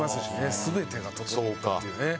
全てが整ってっていうね。